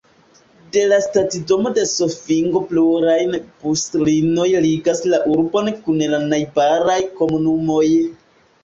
De la stacidomo de Zofingo pluraj buslinioj ligas la urbon kun la najbaraj komunumoj.